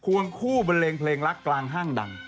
วงคู่บันเลงเพลงรักกลางห้างดัง